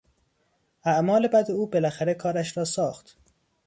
اعمال بد او بالاخره کارش را ساخت.